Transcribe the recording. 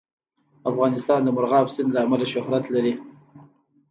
افغانستان د مورغاب سیند له امله شهرت لري.